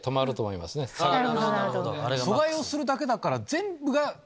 阻害をするだけだから。